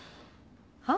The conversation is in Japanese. は？